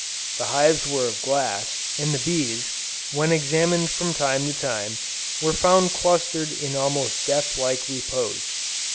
The hives were of glass, and the bees, when examined from time to time, were found clustered in almost death like repose.